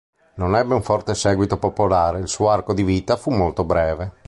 Non ebbe un forte seguito popolare: il suo arco di vita fu molto breve.